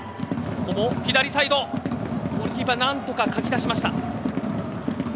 左サイド、ゴールキーパー何とか、かき出しました。